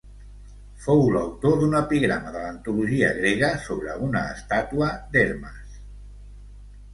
Fou l'autor d'un epigrama de l'antologia grega sobre una estàtua d'Hermes.